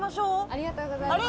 ありがとうございます。